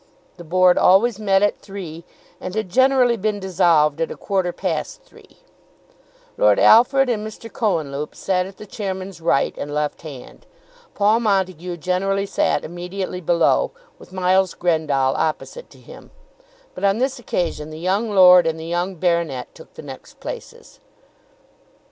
The Board always met at three, and had generally been dissolved at a quarter past three. Lord Alfred and Mr. Cohenlupe sat at the chairman's right and left hand. Paul Montague generally sat immediately below, with Miles Grendall opposite to him; but on this occasion the young lord and the young baronet took the next places.